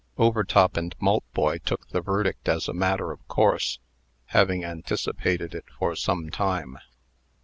Overtop and Maltboy took the verdict as a matter of course, having anticipated it for some time.